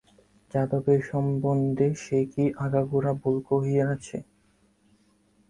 যাদবের সম্বন্ধে সে কি আগাগোড়া ভুল করিয়াছে?